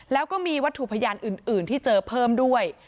แล้วก็มีวัตถุพยานอื่นที่เจอเพิ่มด้วย